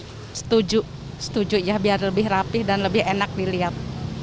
saya setuju setuju ya biar lebih rapih dan lebih enak dilihat